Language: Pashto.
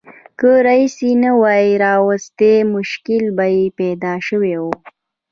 که رییس نه وای راوستي مشکل به یې پیدا شوی و.